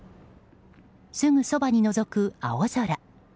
すぐそばにのぞく青空。